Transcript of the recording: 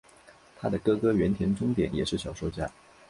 她的哥哥原田宗典也是小说家。